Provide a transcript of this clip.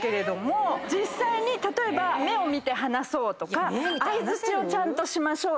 実際に例えば「目を見て話そう」とか「あいづちをしましょう」とか。